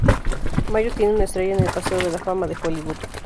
Mayo tiene una estrella en el Paseo de la fama de Hollywood.